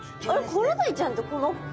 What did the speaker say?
コロダイちゃんってこの子？